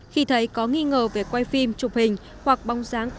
khi thấy có nghi ngờ về quay phim chụp hình hoặc bóng dáng